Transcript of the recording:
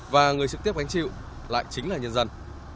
và người trực tiếp gánh chịu lại chính là nhân dân